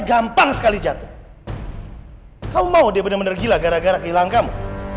gampang sekali jatuh kamu mau dia benar benar gila gara gara kehilangan kamu